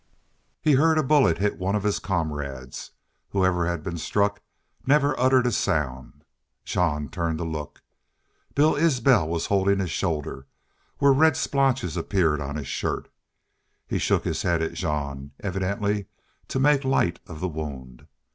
He heard a bullet hit one of his comrades. Whoever had been struck never uttered a sound. Jean turned to look. Bill Isbel was holding his shoulder, where red splotches appeared on his shirt. He shook his head at Jean, evidently to make light of the wound.